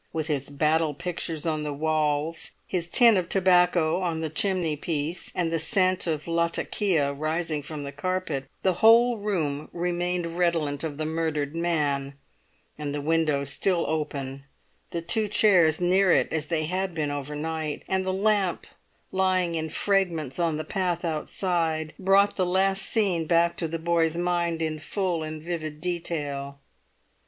With his battle pictures on the walls, his tin of tobacco on the chimney piece, and the scent of latakia rising from the carpet, the whole room remained redolent of the murdered man; and the window still open, the two chairs near it as they had been overnight, and the lamp lying in fragments on the path outside, brought the last scene back to the boy's mind in full and vivid detail.